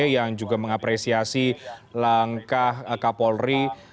yang juga mengapresiasi langkah kapolri